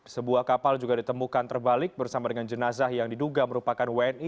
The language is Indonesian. sebuah kapal juga ditemukan terbalik bersama dengan jenazah yang diduga merupakan wni